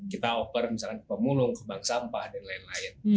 kita over misalkan ke pemulung ke bank sampah dan lain lain